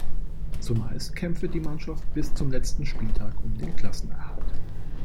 Zumeist kämpfe die Mannschaft bis zum letzten Spieltag um den Klassenerhalt.